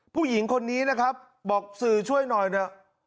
ผู้หญิงคนนี้นะครับบอกสื่อช่วยหน่อยเถอะ